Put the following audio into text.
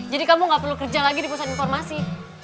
jadi kamu gak perlu kerja lagi di pusat informasi